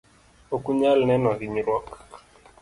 okunyal neno hinyruok.